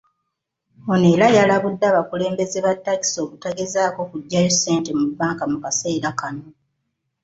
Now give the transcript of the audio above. Ono era yalabudde abakulembeze ba takisi obutagezaako kujjayo ssente mu banka mu kaseera kano.